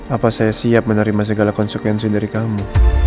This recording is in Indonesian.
apa saya siap menerima segala konsekuensi dari kamu